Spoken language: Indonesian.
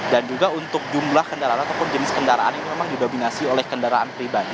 dan juga untuk jumlah kendaraan ataupun jenis kendaraan ini memang didominasi oleh kendaraan pribadi